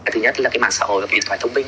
thứ nhất là mạng xã hội và điện thoại thông minh